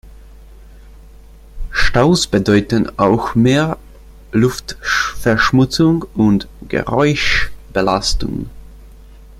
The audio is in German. Staus bedeuten auch mehr Luftverschmutzung und Geräuschbelastung.